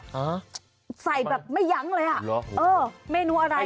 ฮะใส่แบบไม่ยั้งเลยอ่ะเหรอเออเมนูอะไร